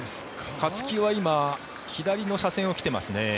勝木は今左の車線に来ていますね。